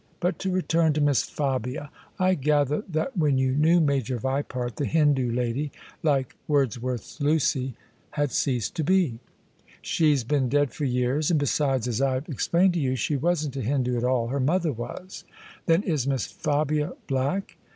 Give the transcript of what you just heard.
But to return to Mbs Fabia* I gather that when you knew Major Vq>art» the Hindoo lady — like Wordsworth's Luqf — had ceased to be." ''She'd been dead for years. And, besides, as I've ex plained to you, she wasn't a Hindoo at all : her mother was." " Then is Miss Fabia black?